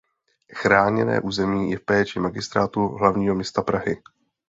Chráněné území je v péči Magistrátu hlavního města Prahy.